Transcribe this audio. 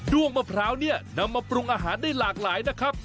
้วงมะพร้าวเนี่ยนำมาปรุงอาหารได้หลากหลายนะครับ